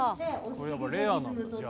これやっぱレアなんだじゃあ。